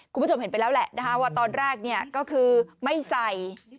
คุณผู้ชมเห็นไปแล้วแหละนะคะว่าตอนแรกก็คือไม่ใส่